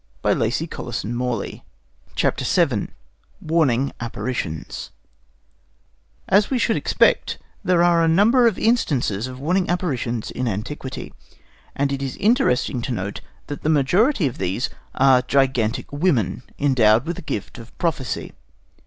] [Footnote 103: [Greek: errhô]] VII WARNING APPARITIONS As we should expect, there are a number of instances of warning apparitions in antiquity; and it is interesting to note that the majority of these are gigantic women endowed with a gift of prophecy.